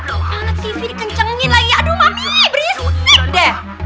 mau nge tv dikencengin lagi aduh mami beri susit deh